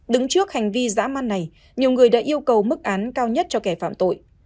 đứng trước hành vi giã man này nhiều người đã yêu cầu mức án cao nhất cho kẻ phạm tội